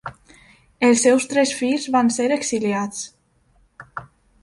Els seus tres fills van ser exiliats.